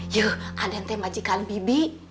yuk aden teh majikan bibi